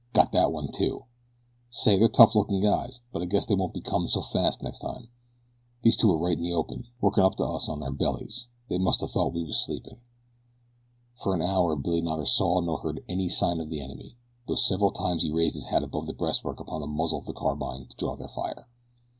"Got that one too. Say, they're tough lookin' guys; but I guess they won't come so fast next time. Those two were right in the open, workin' up to us on their bellies. They must a thought we was sleepin'." For an hour Billy neither saw nor heard any sign of the enemy, though several times he raised his hat above the breastwork upon the muzzle of his carbine to draw their fire.